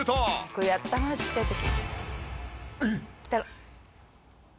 これやったなちっちゃい時。